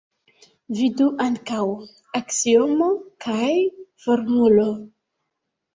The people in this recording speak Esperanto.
Vidu ankaŭ: Aksiomo Kai Formulo.